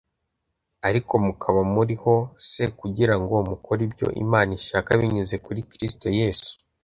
Ariko mukaba muriho c kugira ngo mukore ibyo imana ishaka binyuze kuri kristo yesu